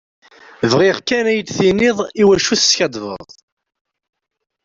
Bɣiɣ kan ad yi-d-tiniḍ iwacu teskaddbeḍ.